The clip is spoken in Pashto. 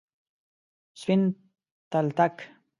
سپین تلتک،